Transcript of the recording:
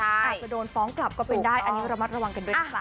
อาจจะโดนฟ้องกลับก็เป็นได้อันนี้ระมัดระวังกันด้วยนะจ๊